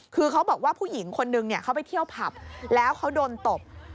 คือเขาบอกว่าผู้หญิงคนนึงเขาไปเที่ยวผับแล้วเขาโดนตบ